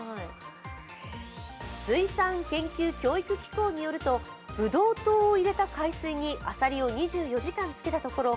水産研究・教育機構によるとブドウ糖を入れた海水にあさりを２４時間漬けたところ